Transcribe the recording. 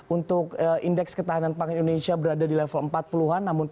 untuk indeks ketahanan pangan indonesia berada di level empat puluh an